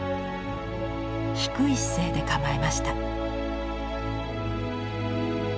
低い姿勢で構えました。